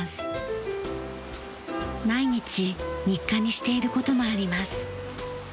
毎日日課にしている事もあります。